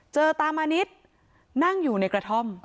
ตามานิดนั่งอยู่ในกระท่อม